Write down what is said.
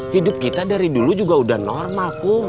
hidup kita dari dulu juga udah normal kok